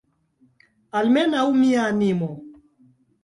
Almenaŭ mia animo!